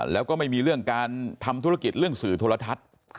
แล้วก็ไม่มีเรื่องการทำธุรกิจเรื่องสื่อโทรทัศน์